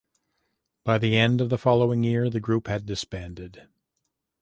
By the end of the following year the group had disbanded.